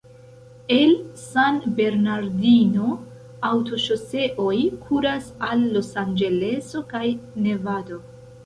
El San Bernardino aŭtoŝoseoj kuras al Los-Anĝeleso kaj Nevado.